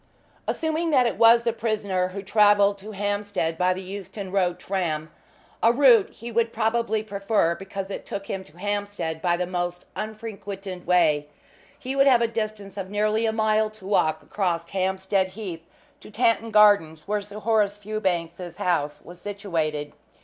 Assuming that it was the prisoner who travelled to Hampstead by the Euston Road tram a route he would probably prefer because it took him to Hampstead by the most unfrequented way he would have a distance of nearly a mile to walk across Hampstead Heath to Tanton Gardens, where Sir Horace Fewbanks's house was situated.